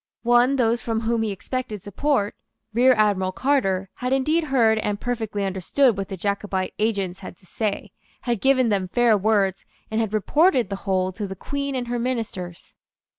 One those from whom he expected support, Rear Admiral Carter, had indeed heard and perfectly understood what the Jacobite agents had to say, had given them fair words, and had reported the whole to the Queen and her ministers.